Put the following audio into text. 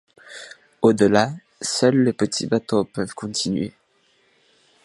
Au-delà, seuls les petits bateaux peuvent continuer.